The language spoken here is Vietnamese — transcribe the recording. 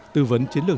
tư vấn chiến lược